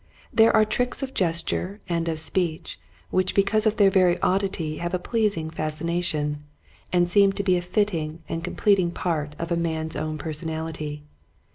There are tricks of gesture and of speech which because of their very oddity have a pleasing fascina tion, and seem to be a fitting and complet ing part of a man's own personality.